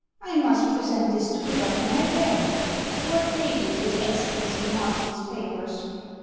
I must present this to the governor again. What day did his Excellency mark these papers